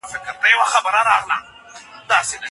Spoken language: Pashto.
دا پوسټ د عامه پوهاوي لپاره ډېر مهم دی.